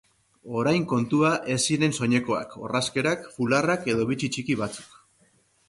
Orain kontua ez ziren soinekoak, orrazkerak, fularrak edo bitxi txiki batzuk.